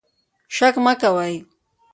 شک مه کوئ.